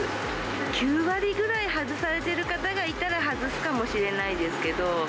９割ぐらい外されている方がいたら外すかもしれないですけど。